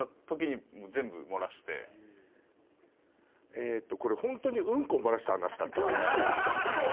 えっとこれホントにウンコ漏らした話だったわね。